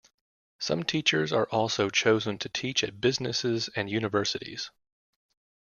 Some teachers are also chosen to teach at businesses and universities.